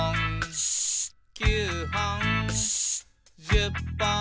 「１０ぽん」